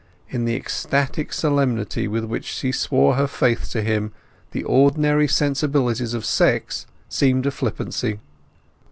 In the ecstatic solemnity with which she swore her faith to him the ordinary sensibilities of sex seemed a flippancy.